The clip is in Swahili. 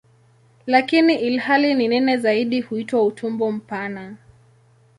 Lakini ilhali ni nene zaidi huitwa "utumbo mpana".